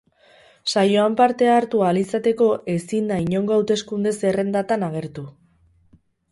Saioan parte hartu ahal izateko, ezin da inongo hauteskunde-zerrendatan agertu.